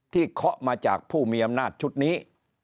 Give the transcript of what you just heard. เคาะมาจากผู้มีอำนาจชุดนี้